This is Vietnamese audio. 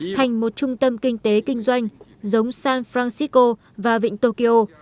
thành một trung tâm kinh tế kinh doanh giống san francisco và vịnh tokyo